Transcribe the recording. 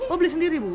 oh beli sendiri ibu